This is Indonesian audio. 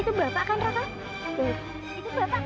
tidak tahu saya lagi mau apa